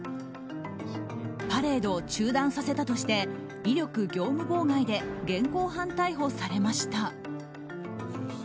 パレードを中断させたとして威力業務妨害で現行犯逮捕されました。